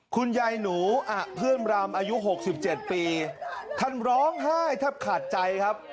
คุณยายหนูอ่ะเพื่อนบรรมอายุหกสิบเจ็บปีท่านร้องไห้ถ้าขาดใจครับ